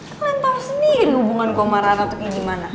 kalian tau sendiri hubungan gua sama rara tuh kayak gimana